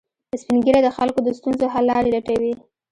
سپین ږیری د خلکو د ستونزو حل لارې لټوي